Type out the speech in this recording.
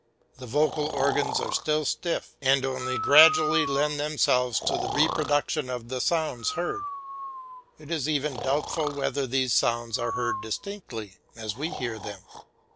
The vocal organs are still stiff, and only gradually lend themselves to the reproduction of the sounds heard; it is even doubtful whether these sounds are heard distinctly as we hear them.